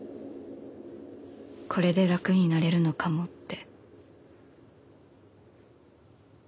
これで楽になれるのかもって。